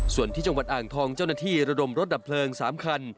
ส่วนที่จังหวัดอ่างทองเจ้าหน้าที่ระดมรถดับเพลิง๓คัน